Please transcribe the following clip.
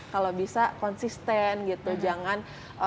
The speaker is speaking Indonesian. kalau bisa konsisten gitu jangan